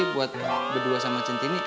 buat berdua sama centini